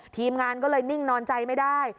ทีมงานก็เลยนิ่งนอนใจไม่ได้